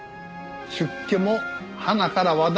出家もはなから話題作り。